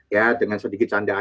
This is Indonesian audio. ya dengan sedikit canda aja ya